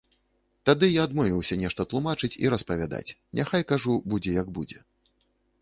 Тады я адмовіўся нешта тлумачыць і распавядаць, няхай, кажу будзе як будзе.